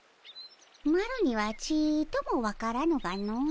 マロにはちとも分からぬがの。